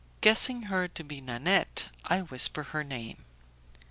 Guessing her to be Nanette, I whisper her name.